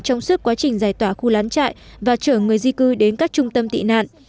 trong suốt quá trình giải tỏa khu lán trại và chở người di cư đến các trung tâm tị nạn